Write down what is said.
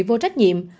người vô trách nhiệm